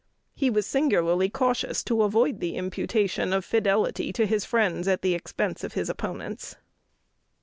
He was singularly cautious to avoid the imputation of fidelity to his friends at the expense of his opponents.